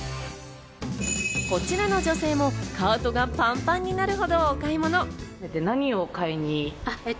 こちらの女性もカートがパンパンになるほどお買い物。